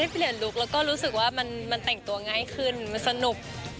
เปลี่ยนลุคแล้วก็รู้สึกว่ามันแต่งตัวง่ายขึ้นมันสนุก